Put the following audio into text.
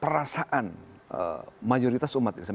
perasaan mayoritas umat islam